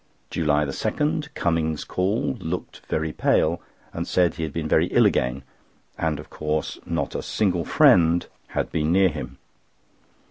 JULY 2.—Cummings called, looked very pale, and said he had been very ill again, and of course not a single friend had been near him.